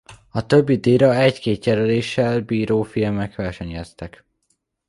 A többi díjra egy-két jelöléssel bíró filmek versenyeztek.